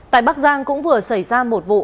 tại bắc giang cũng vừa xảy ra một vụ